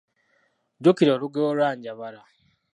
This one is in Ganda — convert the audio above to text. Jjukira olugero lwa Njabala.